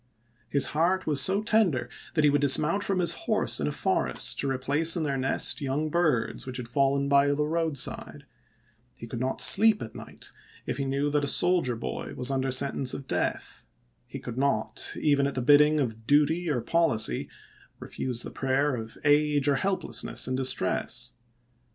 His heart was so tender that he would dismount from his horse in a forest to replace in their nest young birds which had fallen by the roadside ; he could not sleep at night if he knew that a soldier boy was under sen tence of death ; he could not, even at the bidding of duty or policy, refuse the prayer of age or help lessness in distress.